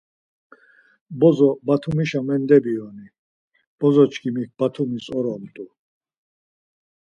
Bozo Batumişa mendebiyoni. Bozoçkimik Batumis oromt̆u.